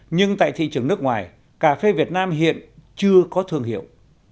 nhưng tại thị trường nước ngoài cà phê việt nam hiện chưa có thương hiệu